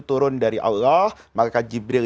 turun dari allah maka jibril